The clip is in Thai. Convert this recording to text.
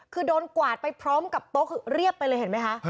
คือโดนกวาดไปพร้อมกับโต๊ะคือเรียบไปเลยเห็นไหมคะ